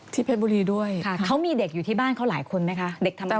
เพชรบุรีด้วยเขามีเด็กอยู่ที่บ้านเขาหลายคนไหมคะเด็กทำอะไร